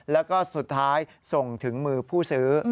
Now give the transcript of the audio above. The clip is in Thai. แล้วก็สุดท้ายส่งถึงมือผู้ซื้อ